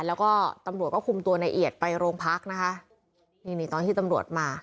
แล้วก็ตำรวจก็คุมตัวในเอียดไปโรงพักนะคะนี่นี่ตอนที่ตำรวจมา